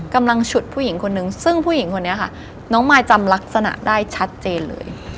ฉุดผู้หญิงคนนึงซึ่งผู้หญิงคนนี้ค่ะน้องมายจำลักษณะได้ชัดเจนเลย